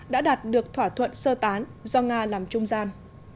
đã đạt được thỏa thuận sơ tán do nga làm trung gian